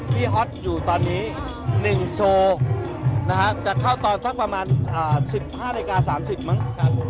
ฮอตอยู่ตอนนี้๑โชว์จะเข้าตอนสักประมาณ๑๕นาฬิกา๓๐มั้ง